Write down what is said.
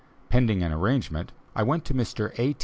Pending an arrangement, I went to Mr. A.